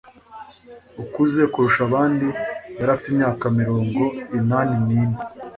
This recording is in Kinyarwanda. ukuze kurusha abandi yari afite imyaka mirongo inani n,ine